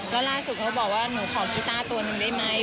แล้วล่าสุดเขาบอกว่าหนูขอกีต้าตัวหนึ่งได้ไหม